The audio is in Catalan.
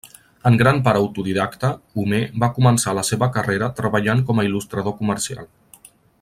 En gran part autodidacta, Homer va començar la seva carrera treballant com a il·lustrador comercial.